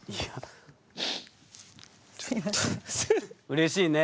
うれしいね。